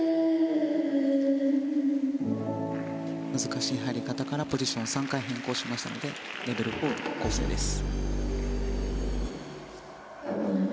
難しい入り方からポジションを３回変更しましたのでレベル４の構成です。